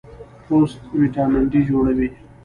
پوست وټامین ډي جوړوي.